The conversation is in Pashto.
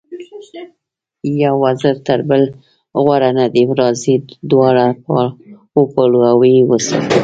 یو وزر تر بل غوره نه دی، راځئ دواړه وپالو او ویې ساتو.